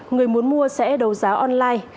người muốn mua sẽ đấu giá online